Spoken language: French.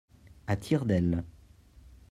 À tire d'aile.